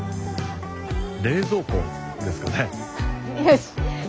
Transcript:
冷蔵庫ですかね。